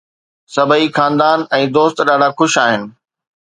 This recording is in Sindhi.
سڀئي خاندان ۽ دوست ڏاڍا خوش آهن